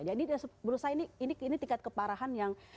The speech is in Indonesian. jadi berusaha ini tingkat keparahan yang